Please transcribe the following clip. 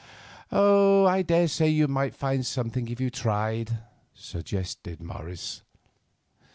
"Oh, I daresay you might find something if you tried," suggested Morris.